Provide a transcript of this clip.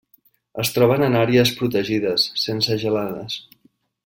Es troben en àrees protegides, sense gelades.